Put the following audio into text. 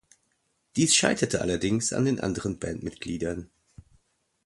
Dies scheiterte allerdings an den anderen Bandmitgliedern.